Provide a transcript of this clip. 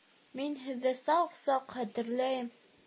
Мин һеҙҙе саҡ-саҡ хәтерләйем